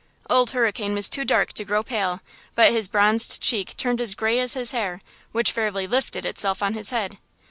Old Hurricane was too dark to grow pale, but his bronzed cheek turned as gray as his hair, which fairly lifted itself on his head.